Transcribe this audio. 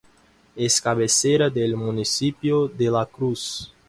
Es cabecera del municipio de La Cruz.